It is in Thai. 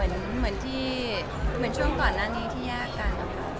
เหมือนช่วงตอนหน้านี้ที่ยากกัน